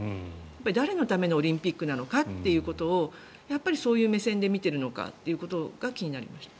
誰のためのオリンピックなのかということをそういう目線で見てるのかってことが気になりました。